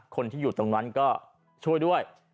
คนที่อยู่ตรงนั้นก็ช่วยด้วย